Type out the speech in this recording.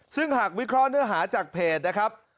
ซึ่งหากวิเคราะห์เนื้อหาจากเพจนะครับ